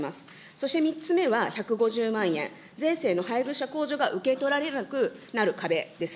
そして３つ目は１５０万円、税制の配偶者控除が受け取られなくなる壁です。